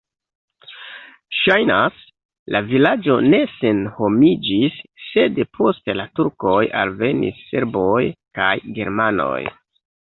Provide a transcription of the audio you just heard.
Ŝajnas, la vilaĝo ne senhomiĝis, sed post la turkoj alvenis serboj kaj germanoj.